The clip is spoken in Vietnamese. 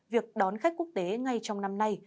việc đón khách quốc tế ngay trong năm nay